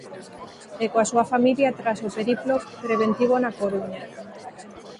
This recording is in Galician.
E coa súa familia tras o periplo preventivo na Coruña.